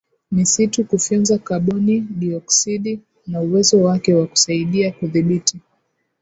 misitu kufyonza kaboni dioksidi na uwezo wake wa kusaidia kudhibiti